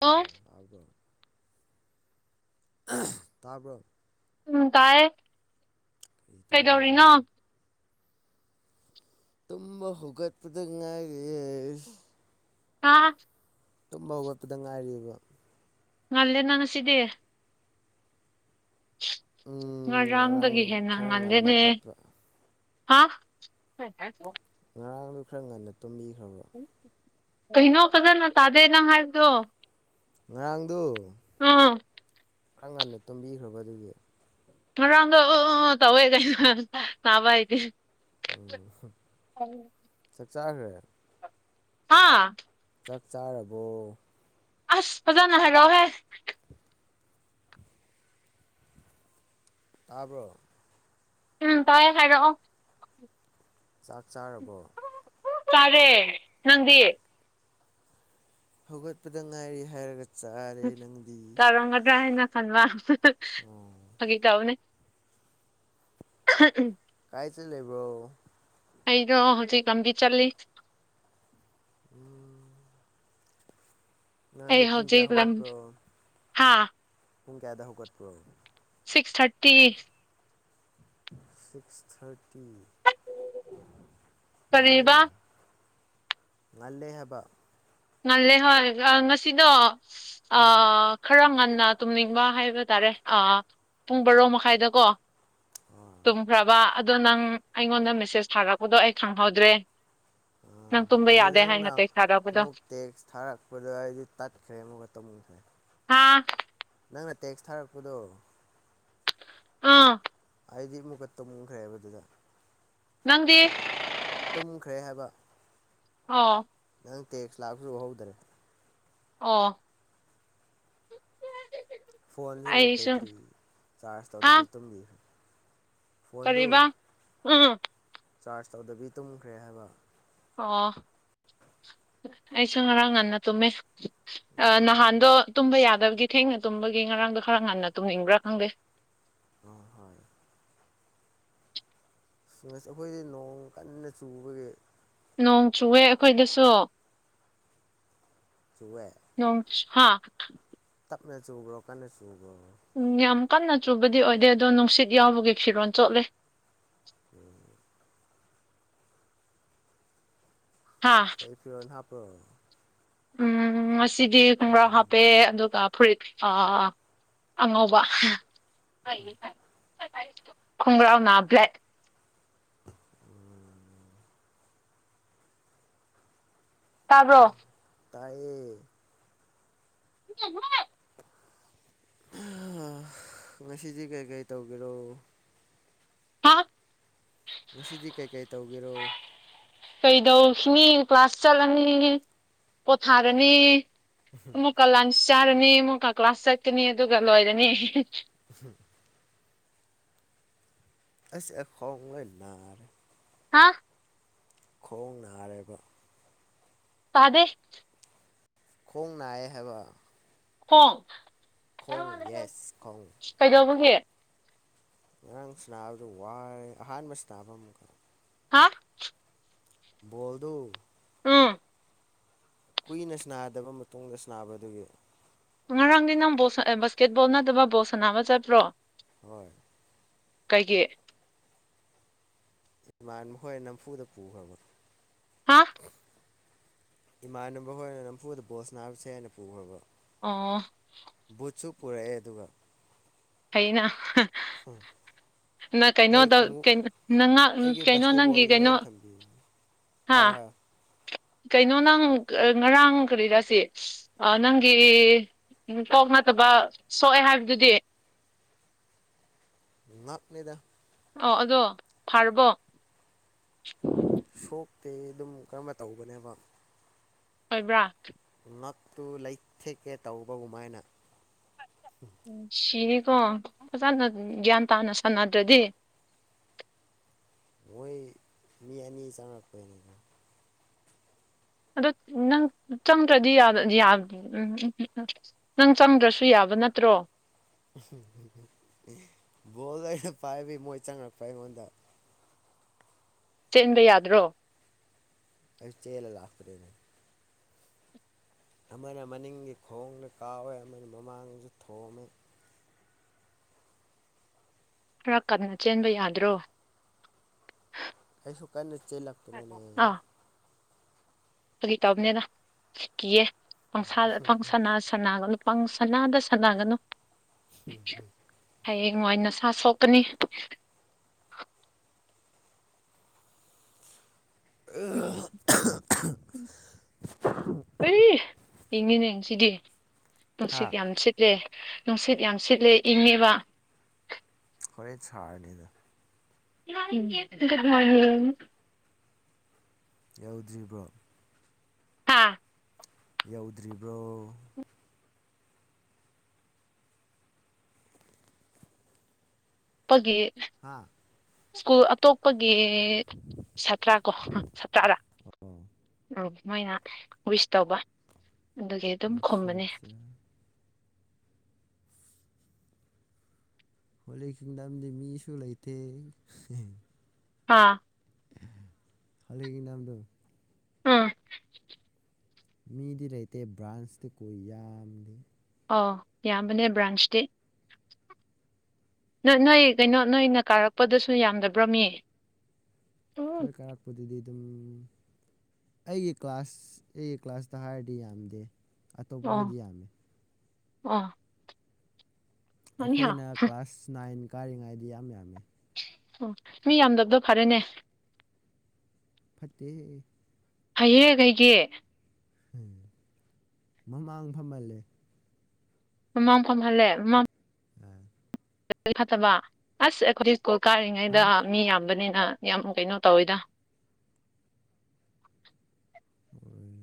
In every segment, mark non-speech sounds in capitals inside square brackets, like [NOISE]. ꯑꯣ ꯇꯥꯕ꯭ꯔꯣ ꯎꯝ ꯀꯥꯏ ꯀꯩ ꯇꯧꯔ ꯂꯩꯕ꯭ꯔꯣ ꯇꯨꯝꯕ ꯍꯧꯒꯠꯄꯗ ꯉꯥꯏꯔꯦ ꯑ ꯇꯨꯝꯕ ꯍꯧꯒꯠꯄꯗ ꯉꯥꯏꯔꯤꯕ ꯉꯜꯂꯦꯅ ꯉꯁꯤꯗꯤ ꯎꯝ ꯉꯔꯥꯡ ꯉꯔꯥꯡꯗꯒꯤ ꯍꯦꯟꯅ ꯈꯔ ꯉꯟꯅ ꯉꯜꯂꯦꯅꯦ ꯇꯠꯄ ꯍꯥ ꯉꯔꯥꯡꯗꯨ ꯈꯔ ꯉꯟꯅ ꯇꯨꯝꯕꯤꯈ꯭ꯔꯕꯣ ꯀꯩꯅꯣ ꯐꯖꯅ ꯇꯥꯗꯦ ꯅꯪ ꯍꯥꯏꯕꯗꯣ ꯉꯔꯥꯡꯗꯨ ꯎꯝ ꯈꯔ ꯉꯟꯅ ꯇꯨꯝꯕꯤꯈ꯭ꯔꯕ ꯑꯗꯨꯒꯤ ꯉꯔꯥꯡꯗꯣ ꯑꯣ ꯑꯣ ꯇꯧꯋꯦ [INAUDIBLE] ꯎꯝ ꯆꯥꯛ ꯆꯥꯈ꯭ꯔꯦ ꯍꯥꯥ ꯆꯥꯛ ꯆꯥꯔꯕꯣ ꯑꯁ ꯐꯖꯅ ꯍꯥꯏꯔꯛꯑꯣ ꯍꯦ ꯇꯥꯕ꯭ꯔꯣ ꯎꯝ ꯇꯥꯏ ꯍꯥꯏꯔꯛꯑꯣ ꯆꯥꯛ ꯆꯥꯔꯕꯣ ꯆꯥꯔꯦ ꯅꯪꯗꯤ ꯍꯧꯒꯠꯄꯗ ꯉꯥꯏꯔꯤ ꯍꯥꯏꯔꯒ ꯆꯥꯔꯦ ꯅꯪꯗꯤ ꯆꯥꯔꯝꯒꯗ꯭ꯔꯥ ꯍꯥꯏꯅ ꯈꯟꯕ ꯑꯣ ꯐꯒꯤ ꯇꯧꯅꯦ [INAUDIBLE] ꯀꯥꯏ ꯆꯂꯦꯕ꯭ꯔꯣ ꯑꯩꯗꯣ ꯍꯧꯖꯤꯛ ꯂꯝꯕꯤ ꯆꯠꯂꯤ ꯎꯝ ꯅꯍꯥꯟꯗꯤ ꯑꯩ ꯄꯨꯡ ꯍꯧꯖꯤꯛ ꯀꯌꯥ ꯂꯝ ꯍꯧꯒꯠꯄ꯭ꯔꯣ ꯍꯥ ꯄꯨꯡ ꯀꯌꯥꯗ ꯍꯧꯒꯠꯄ꯭ꯔꯣ ꯁꯤꯛꯁ ꯊꯥꯔꯇꯤ ꯁꯤꯛꯁ ꯊꯥꯔꯇꯤ ꯀꯔꯤꯕ ꯉꯜꯂꯦꯅ ꯉꯂꯦ ꯍꯥꯏꯕ ꯉꯜꯂꯦ ꯍꯣꯏ ꯉꯁꯤꯗꯣ ꯎꯝ ꯈꯔ ꯉꯟꯅ ꯇꯨꯝꯅꯤꯡꯕ ꯍꯥꯏꯕ ꯇꯥꯔꯦ ꯄꯨꯡ ꯕꯔꯣ ꯃꯈꯥꯏꯗꯀꯣ ꯑꯥ ꯇꯨꯝꯈ꯭ꯔꯕ ꯑꯗꯣ ꯅꯪ ꯑꯩꯉꯣꯟꯗ ꯃꯦꯁꯦꯁ ꯊꯥꯔꯛꯄꯗꯣ ꯑꯩ ꯈꯪꯍꯧꯗ꯭ꯔꯦ ꯅꯪ ꯇꯨꯝꯕ ꯑꯗꯨ ꯌꯥꯗꯦ ꯅꯪꯅ ꯍꯥꯏꯅ ꯇꯦꯛꯁ ꯊꯥꯔꯛꯄꯗꯣ ꯑꯃꯨꯛ ꯇꯦꯛꯁ ꯊꯥꯔꯛꯄꯗ ꯑꯩꯗꯤ ꯇꯠꯈ꯭ꯔꯦ ꯑꯃꯒ ꯇꯧꯈ꯭ꯔꯦ ꯍꯥꯥ ꯅꯪꯅ ꯇꯦꯛꯁ ꯊꯥꯔꯛꯄꯗꯣ ꯑꯥ ꯑꯩꯗꯤ ꯑꯃꯨꯛꯀ ꯇꯨꯝꯈ꯭ꯔꯦꯕ ꯑꯗꯨꯗ ꯅꯪꯗꯤ ꯇꯨꯝꯈ꯭ꯔꯦ ꯍꯥꯏꯕ ꯑꯣ ꯅꯪ ꯇꯦꯛꯁ ꯂꯥꯛꯄꯁꯨ ꯎꯍꯧꯗꯔꯦ ꯑ ꯐꯣꯟꯁꯨ ꯕꯦꯇ꯭ꯔꯤ ꯆꯥꯔꯖ ꯍꯥ ꯇꯧꯗꯕꯤ ꯇꯨꯝꯕꯤ ꯐꯣꯟꯗꯨ ꯀꯔꯤꯕ ꯎꯝ ꯆꯥꯔꯖ ꯇꯧꯗꯕꯤ ꯇꯨꯝꯈ꯭ꯔꯦ ꯍꯥꯏꯕ ꯑꯣ ꯑꯩꯁꯨ ꯉꯔꯥꯡ ꯉꯟꯅ ꯇꯨꯝꯃꯦ ꯅꯍꯥꯟꯗꯣ ꯇꯨꯝꯕ ꯌꯥꯗꯕꯒꯤ ꯊꯦꯡꯅ ꯇꯨꯝꯕꯒꯤ ꯉꯔꯥꯡꯗꯣ ꯈꯔ ꯉꯟꯅ ꯇꯨꯝꯅꯤꯡꯕ꯭ꯔꯥ ꯈꯪꯗꯦ ꯑ ꯍꯣꯏ ꯑꯈꯣꯏꯗꯤ ꯅꯣꯡ ꯀꯟꯅ ꯆꯨꯕꯒꯤ ꯅꯣꯡ ꯆꯨꯑꯦ ꯑꯈꯣꯏꯗꯁꯨ ꯆꯨꯋꯦ ꯍꯥ ꯇꯞꯅ ꯆꯨꯕ꯭ꯔꯣ ꯀꯟꯅ ꯆꯨꯕ꯭ꯔꯣ ꯎꯝ ꯌꯥꯝ ꯀꯟꯅ ꯆꯨꯕꯗꯤ ꯑꯣꯏꯗꯦ ꯑꯗꯣ ꯅꯨꯡꯁꯤꯠ ꯌꯥꯎꯕꯒꯤ ꯐꯤꯔꯣꯜ ꯆꯣꯠꯂꯦ [UNINTELLIGIBLE] ꯍꯥꯥ ꯀꯩ ꯐꯤꯔꯣꯟ ꯍꯥꯞꯄ꯭ꯔꯣ ꯎꯝ ꯉꯁꯤꯗꯤ ꯈꯣꯡꯒ꯭ꯔꯥꯎ ꯍꯥꯞꯄꯦ ꯑꯗꯨꯒ ꯐꯨꯔꯤꯠ ꯑꯥ ꯑꯉꯧꯕ ꯍꯥꯏꯌꯦ ꯍꯥꯏ ꯈꯣꯡꯒ꯭ꯔꯥꯎꯅ ꯕ꯭ꯂꯦꯛ ꯎꯝ ꯇꯥꯕ꯭ꯔꯣ ꯇꯥꯏꯌꯦ [UNINTELLIGIBLE] ꯉꯁꯤꯗꯤ ꯀꯩꯀꯩ ꯇꯧꯒꯦꯔꯣ ꯍꯥ ꯉꯁꯤꯗꯤ ꯀꯩꯀꯩ ꯇꯧꯒꯦꯔꯣ ꯀꯩꯗꯧꯈꯤꯅꯤ ꯀ꯭ꯂꯥꯁ ꯆꯠꯂꯅꯤ ꯄꯣꯊꯥꯔꯅꯤ [UNINTELLIGIBLE] ꯀꯂ ꯂꯁꯁ ꯆꯥꯔꯅꯤ ꯑꯃꯨꯛꯀ ꯀ꯭ꯂꯥꯁ ꯆꯠꯀꯅꯤ ꯑꯗꯨꯒ ꯂꯣꯏꯔꯅꯤ [UNINTELLIGIBLE] ꯑꯁ ꯑꯩ ꯈꯣꯡ ꯂꯣꯢ ꯅꯥꯔꯦ ꯍꯥꯥ ꯈꯣꯡ ꯅꯥꯔꯦꯕ ꯇꯥꯗꯦ ꯈꯣꯡ ꯅꯥꯏꯌꯦ ꯍꯥꯏꯕ ꯈꯣꯡ ꯈꯣꯡ ꯌꯦꯁ ꯈꯣꯡ ꯀꯩꯗꯧꯕꯒꯤ ꯉꯔꯥꯡ ꯁꯅꯥꯕꯗ ꯋꯥꯔꯦ ꯑꯍꯥꯟꯕ ꯁꯅꯥꯕ ꯑꯃꯨꯛꯀ ꯍꯥ ꯕꯣꯜꯗꯨ ꯎꯝ ꯀꯨꯏꯅ ꯁꯅꯥꯗꯕ ꯃꯇꯨꯡꯗ ꯁꯅꯥꯕꯗꯨꯒꯤ ꯉꯔꯥꯡꯗꯤ ꯅꯪ ꯕꯣꯜ ꯕꯥꯁꯀꯦꯠꯕꯣꯜ ꯅꯠꯇꯕ ꯕꯣꯜ ꯁꯅꯥꯕ ꯆꯠꯄ꯭ꯔꯣ ꯍꯣꯏ ꯀꯩꯒꯤ ꯢꯃꯥꯟꯅꯕ ꯈꯣꯏ ꯅꯝꯐꯨꯗ ꯄꯨꯈ꯭ꯔꯕ꯭ꯔꯥ ꯍꯥ ꯏꯃꯥꯟꯅꯕ ꯍꯣꯏꯅ ꯅꯝꯐꯨꯗ ꯕꯣꯜ ꯁꯅꯧꯁꯦꯅ ꯅꯝꯐꯨꯗ ꯄꯨꯈ꯭ꯔꯕ ꯑꯣ ꯕꯨꯠꯁꯨ ꯄꯨꯔꯛꯑꯦ ꯑꯗꯨꯒ ꯍꯩꯅ [UNINTELLIGIBLE] ꯑꯩ ꯈꯣꯡꯎꯞ ꯅꯉꯥꯛ ꯑꯩꯒꯤ ꯀꯩꯅꯣ ꯕꯥꯁꯀꯦꯠꯕꯣꯜ ꯅꯪꯒꯤ ꯀꯩꯅꯣ ꯂꯣꯏ ꯊꯝꯕꯤꯅꯤ ꯍꯥ ꯍꯥꯏꯌꯣ ꯍꯥꯏꯌꯣ ꯀꯩꯅꯣ ꯅꯪ ꯉꯔꯥꯡ ꯀꯔꯤꯔꯁꯤ ꯅꯪꯒꯤ ꯀꯣꯛ ꯅꯠꯇꯕ ꯁꯣꯛꯑꯦ ꯍꯥꯏꯕꯗꯨꯗꯤ [UNINTELLIGIBLE] ꯑꯣ ꯑꯗꯣ ꯐꯥꯔꯕꯣ ꯁꯣꯛꯇꯦ ꯑꯗꯨꯝ ꯀꯔꯝꯅ ꯇꯧꯕꯅꯦꯕ ꯑꯣꯏꯕꯔ꯭ ꯉꯠꯇꯨ ꯂꯩꯊꯦꯛꯀꯦ ꯇꯧꯕꯒꯨꯃꯥꯏꯅ ꯎꯝ ꯁꯤꯅꯤꯀꯣ ꯐꯖꯅ ꯒ꯭ꯌꯥꯟ ꯇꯥꯅ ꯁꯥꯟꯅꯗ꯭ꯔꯗꯤ ꯃꯣꯏ ꯃꯤ ꯑꯅꯤ ꯆꯪꯉꯛꯄꯩꯅꯤꯗ ꯑꯗꯣ ꯅꯪ ꯆꯪꯗ꯭ꯔꯗꯤ ꯌꯥ ꯌꯥ ꯅꯪ ꯆꯪꯗ꯭ꯔꯁꯨ ꯌꯥꯕ ꯅꯠꯇ꯭ꯔꯣ ꯕꯣꯜ ꯑꯩꯅ ꯄꯥꯏꯕꯒꯤ ꯃꯣꯏ ꯆꯪꯉꯛꯄ ꯑꯩꯉꯣꯟꯗ ꯆꯦꯟꯕ ꯌꯥꯗ꯭ꯔꯣ ꯑꯩꯁꯨ ꯆꯦꯜꯂ ꯂꯥꯛꯄꯅꯦꯅꯦ ꯑꯃꯅ ꯃꯅꯤꯡꯒꯤ ꯈꯣꯡꯗ ꯀꯥꯎꯋꯦ ꯑꯃꯅ ꯃꯃꯥꯡꯁꯨ ꯊꯣꯝꯃꯦ ꯈꯔ ꯀꯟꯅ ꯆꯦꯟꯕ ꯌꯥꯗ꯭ꯔꯣ ꯑꯩꯁꯨ ꯀꯟꯅ ꯆꯦꯜꯂꯛꯄꯅꯦꯅꯦ ꯐꯥꯒꯤ ꯇꯧꯕꯅꯤꯅ ꯀꯤꯌꯦ ꯄꯪꯁꯥꯗ ꯄꯪꯁꯥꯟꯅ ꯁꯅꯒꯅꯨ ꯄꯪꯁꯅꯥꯗ ꯁꯥꯟꯅꯒꯅꯨ ꯍꯌꯦꯡꯋꯥꯏ ꯅꯁꯥ ꯁꯣꯛꯀꯅꯤ [UNINTELLIGIBLE] ꯏꯪꯉꯤꯅꯦ ꯉꯁꯤꯗꯤ ꯍꯥ ꯅꯨꯡꯁꯤꯠ ꯌꯥꯝ ꯁꯤꯠꯂꯦ ꯅꯨꯡꯁꯤꯠ ꯌꯥꯝ ꯁꯤꯠꯂꯦ ꯏꯪꯉꯦꯕ ꯍꯣꯔꯦꯟ ꯁꯥꯥꯔꯅꯤꯗ [UNINTELLIGIBLE] ꯒꯨꯗ ꯃꯣꯔꯅꯤꯡ ꯌꯧꯗ꯭ꯔꯤꯕ꯭ꯔꯣ ꯍꯥꯥ ꯌꯧꯗ꯭ꯔꯤꯕ꯭ꯔꯣ ꯄꯒꯤ ꯍꯥꯥ ꯁ꯭ꯀꯨꯜ ꯑꯇꯣꯞꯄꯒꯤ ꯁꯥꯇ꯭ꯔꯥ ꯀꯣ ꯁꯥꯇ꯭ꯔꯥꯔꯥ ꯑꯣ ꯎꯝ ꯃꯣꯏꯅ ꯋꯤꯁ ꯇꯧꯕ ꯑꯗꯨꯒꯤ ꯑꯗꯨꯝ ꯑꯠꯆꯥ ꯈꯨꯝꯕꯅꯦ ꯑꯠꯆꯥ ꯍꯣꯂꯤ ꯀꯤꯡꯗꯝꯗꯤ ꯃꯤꯁꯨ ꯂꯩꯇꯦ ꯍꯥ ꯍꯣꯜꯂꯤ ꯀꯤꯡꯗꯝꯗꯨ ꯎꯝ ꯃꯤꯗꯤ ꯂꯩꯇꯦ ꯕ꯭ꯔꯥꯟꯁꯇꯤꯀꯣ ꯌꯥꯝꯗꯦ ꯑꯧ ꯌꯥꯝꯕꯅꯦ ꯕ꯭ꯔꯥꯟꯁꯇꯤ ꯅꯣꯏ ꯅꯣꯏ ꯀꯩꯅꯣ ꯅꯣꯏꯅ ꯀꯥꯔꯛꯄꯗꯁꯨ ꯌꯥꯝꯗꯕ꯭ꯔ ꯃꯤ ꯎꯝ ꯑꯈꯣꯏ ꯀꯥꯔꯛꯄꯗꯨꯗꯤ ꯑꯗꯨꯝ ꯑꯩꯒꯤ ꯀ꯭ꯂꯥꯁ ꯑꯩꯒꯤ ꯀ꯭ꯂꯥꯁꯇ ꯍꯥꯏꯔꯗꯤ ꯌꯥꯝꯗꯦ ꯑꯣ ꯑꯇꯣꯞꯄꯍꯣꯏꯗꯤ ꯌꯥꯝꯃꯦ ꯑꯣ ꯑꯅꯤꯍꯥ ꯑꯩꯈꯣꯏꯅ ꯀ꯭ꯂꯥꯁ ꯅꯥꯏꯟ ꯀꯥꯔꯤꯉꯩꯗꯤ ꯌꯥꯝ ꯌꯥꯝꯃꯤ ꯑꯣ ꯃꯤ ꯌꯥꯝꯗꯕꯗꯣ ꯐꯔꯦꯅꯦ ꯐꯠꯇꯦꯍꯦ ꯐꯩꯍꯦ ꯀꯩꯒꯤ ꯎꯝ ꯃꯃꯥꯡ ꯐꯝꯍꯜꯂꯦ ꯃꯃꯥꯡ ꯐꯝꯍꯜꯂꯦ ꯃꯃꯥꯡ ꯑꯥ ꯐꯠꯇꯕ ꯑꯁ ꯑꯩꯈꯣꯏꯗꯤ ꯁ꯭ꯀꯨꯜ ꯀꯥꯔꯤꯉꯩꯗ ꯍꯥ ꯃꯤ ꯌꯥꯝꯕꯅꯤꯅ ꯌꯥꯝ ꯀꯩꯅꯣ ꯇꯧꯋꯤꯗ ꯍꯣꯏ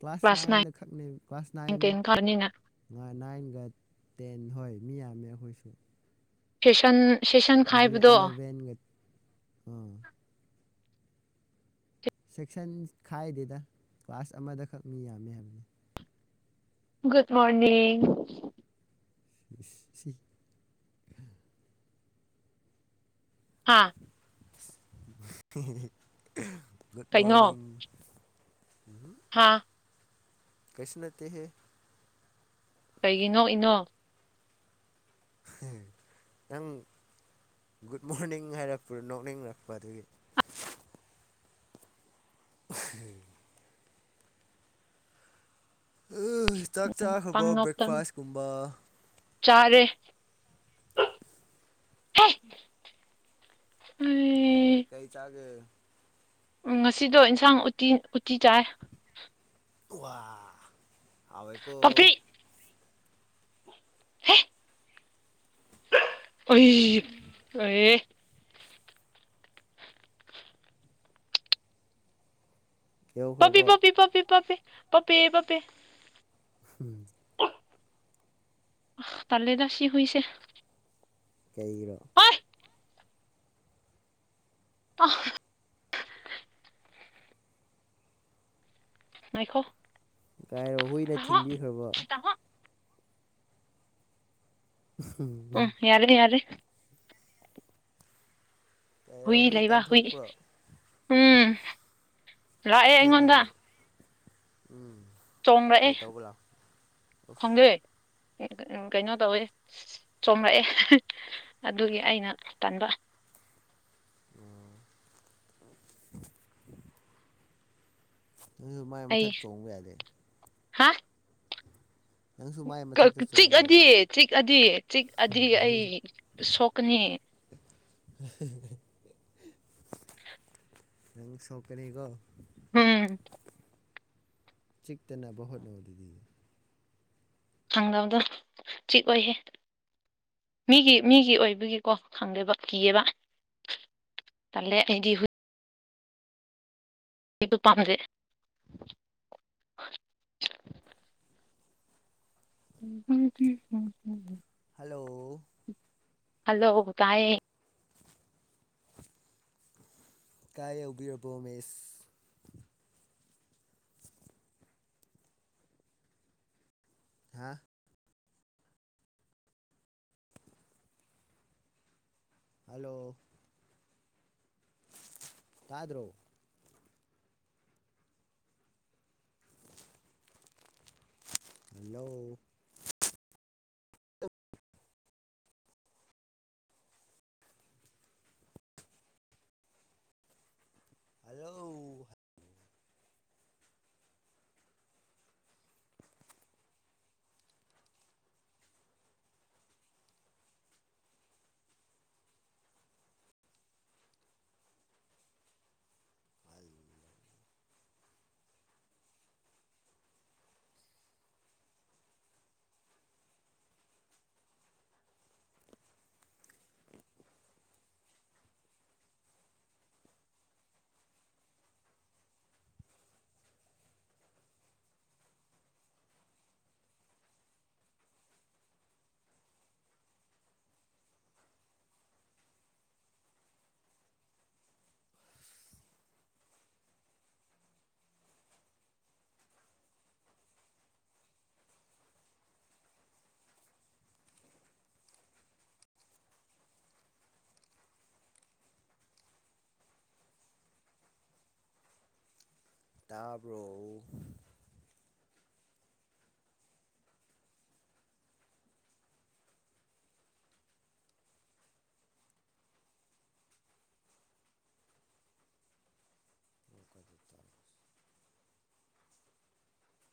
ꯀ꯭ꯂꯥꯁ ꯅꯥꯏꯟꯗ ꯈꯛꯅꯦ ꯀ꯭ꯂꯥꯁ ꯅꯥꯏꯟ ꯇꯦꯟ ꯀꯥꯕꯅꯤꯅ ꯅꯥꯏꯟꯒ ꯇꯦꯟ ꯍꯣꯏ ꯃꯤ ꯌꯥꯝꯃꯦ ꯑꯩꯈꯣꯏꯁꯨ ꯁꯦꯁꯟ ꯁꯦꯁꯟ ꯑꯗꯨꯗ ꯈꯥꯏꯕꯗꯣ ꯑꯦꯂꯚꯦꯟꯒ ꯑꯥ ꯁꯦꯛꯁꯟ ꯈꯥꯏꯗꯦꯗ ꯀ꯭ꯂꯥꯁ ꯑꯃꯗꯈꯛ ꯃꯤ ꯌꯥꯝꯃꯦ ꯍꯥꯏꯕꯅꯤ ꯒꯨꯗ ꯃꯣꯔꯅꯤꯡ ꯁꯤ ꯍꯥꯥ ꯨꯗ ꯃꯣꯔꯅꯤꯡꯡ ꯎꯝ ꯍꯥꯥ ꯀꯁꯅ ꯇ ꯀꯩꯒꯤ ꯅꯣꯛꯏꯅꯣ ꯅꯪ ꯒꯨꯗ ꯃꯣꯔꯅꯤꯡ ꯍꯥꯏꯔꯛꯄ꯭ꯔꯣ ꯅꯣꯛꯅꯤꯡꯉꯛꯄ ꯑꯗꯨꯒꯤ ꯎꯝ ꯆꯥꯛ ꯆꯥꯈ꯭ꯔꯕꯥꯎ ꯕ꯭ꯔꯦꯛꯐꯥꯁ ꯀꯨꯝꯕ ꯆꯔꯦ ꯑ ꯀꯩ ꯆꯥꯒꯦ ꯎꯝ ꯉꯁꯤꯗꯣ ꯏꯟꯁꯥꯡ ꯎꯇꯤ ꯎꯇꯤ ꯆꯥꯏ ꯋꯥ ꯍꯕꯩꯀ ꯍ‌ꯦ ꯑꯩ ꯑꯦ ꯄꯄꯤ ꯌꯧꯈ꯭ꯔꯕꯣ ꯄꯄꯤ ꯄꯄꯤ ꯄꯄꯤ ꯄꯄꯦ ꯄꯄꯦ ꯎꯝ ꯇꯜꯦꯗꯁꯤ ꯍꯨꯏꯁ ꯀꯩꯔꯣ ꯄꯐ ꯉꯥꯏꯈꯣ ꯒꯥꯏꯔꯣ ꯍꯨꯏꯅ ꯊꯤꯡꯕꯤꯈ꯭ꯔꯕꯣ ꯎꯝ ꯎꯝ ꯌꯥꯔꯅꯤ ꯌꯥꯔ ꯀꯩꯔꯣ ꯍꯨꯏ ꯂꯩꯕ ꯍꯨꯏ ꯇꯥꯟꯊꯣꯛꯄ꯭ꯔꯣ ꯎꯝ ꯂꯥꯛꯑꯦ ꯑꯩꯉꯣꯟꯗ ꯀꯩꯒꯤ ꯎꯝ ꯆꯣꯡꯡꯂꯛꯑꯦ ꯀꯩ ꯇꯧꯕ ꯂꯥꯎ ꯈꯪꯗꯩ ꯀꯩꯅꯣ ꯇꯧꯋꯦ ꯆꯣꯔꯛꯑꯦ ꯑꯗꯨꯒꯤ ꯑꯩꯅ ꯇꯟꯕ ꯑꯣ ꯅꯁꯨ ꯃꯥꯏ ꯑꯩ ꯃꯊꯛ ꯆꯣꯡꯕ ꯌꯥꯗꯦ ꯍꯥ ꯅꯪꯁꯨ ꯃꯥꯏ ꯃꯊꯛꯇ ꯆꯣꯡꯕ ꯆꯤꯛꯑꯗꯤ ꯌꯥꯗꯦ ꯆꯤꯛꯑꯗꯤ ꯆꯤꯛꯑꯗꯤ ꯑꯩ ꯁꯣꯛꯀꯅꯤ [INAUDIBLE] [INAUDIBLE] ꯅ ꯁꯧꯀꯅꯤꯀꯣ ꯎꯝ ꯆꯤꯛꯇꯅꯕ ꯍꯣꯠꯅꯧꯗꯗꯤ ꯈꯪꯗꯅꯕꯗꯣ ꯆꯤꯛ ꯑꯣꯏꯍꯦ ꯃꯤꯒꯤ ꯃꯤꯒꯤ ꯑꯣꯏꯕꯒꯤꯀꯣ ꯈꯪꯗꯦꯕ ꯀꯤꯌꯦꯕ ꯇꯦꯗꯤ ꯁꯤꯛꯇꯣ ꯄꯥꯝꯖꯩ ꯍꯜꯂꯣ ꯍꯜꯂꯣ ꯇꯥꯏ ꯀꯥꯏ ꯌꯧꯕꯤꯔꯕꯣ ꯃꯁ ꯊ ꯍꯜꯂꯣ ꯇꯥꯗ꯭ꯔꯣ ꯍꯜꯂꯣ ꯍꯜꯂꯣ ꯐꯜ ꯇꯥꯕ꯭ꯔꯣ [UNINTELLIGIBLE]